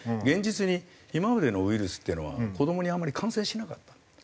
現実に今までのウイルスっていうのは子どもにあんまり感染しなかった。